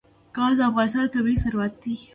ګاز د افغانستان طبعي ثروت دی.